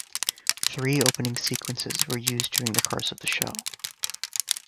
Three opening sequences were used during the course of the show.